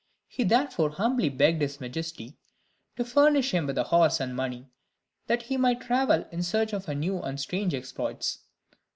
He therefore humbly begged his majesty to furnish him with a horse and money, that he might travel in search of new and strange exploits.